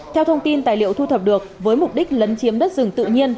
theo thông tin tài liệu thu thập được với mục đích lấn chiếm đất rừng tự nhiên